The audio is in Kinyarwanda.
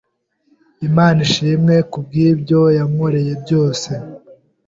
Imana ishimwe ku bw’ibyo yankoreye byose